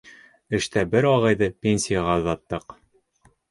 Эштә бер ағайҙы пенсияға оҙаттыҡ.